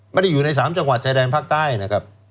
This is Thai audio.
ไม่ได้อยู่ใน๓จังหวัดชายแดนภาคใต้นะครับ